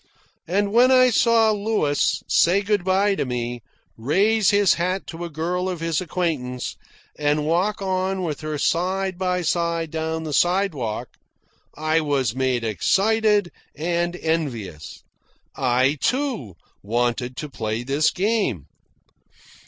And when I saw Louis say good bye to me, raise his hat to a girl of his acquaintance, and walk on with her side by side down the sidewalk, I was made excited and envious. I, too, wanted to play this game.